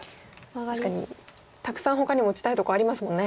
確かにたくさんほかにも打ちたいとこありますもんね。